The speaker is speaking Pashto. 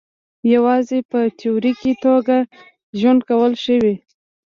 یوازې په تیوریکي توګه ژوند کول ښه وي.